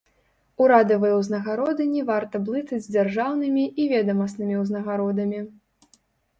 Урадавыя ўзнагароды не варта блытаць з дзяржаўнымі і ведамаснымі ўзнагародамі.